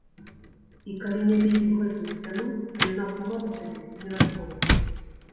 І калі не біць у гэтую сцяну, то яна сама па сабе не разбурыцца.